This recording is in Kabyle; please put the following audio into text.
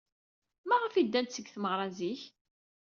Maɣef ay ddant seg tmeɣra zik?